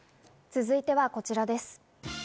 続いてはこちらです。